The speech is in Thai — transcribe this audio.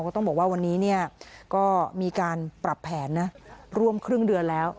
ต้องบอกว่าวันนี้ก็มีการปรับแผนนะร่วมครึ่งเดือนแล้ว